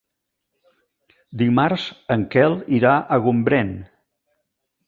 Dimarts en Quel irà a Gombrèn.